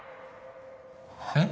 えっ！？